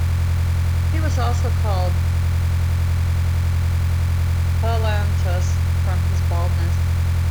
He was also called "Phalanthus", from his baldness.